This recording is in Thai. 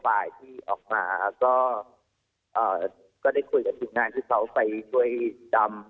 ดีออกมาก็อ่าได้คุยกับจุดงานที่เขาไปกล้วยจำ